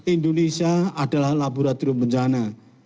indonesia adalah laboratorium bencana